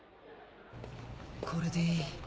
これでいい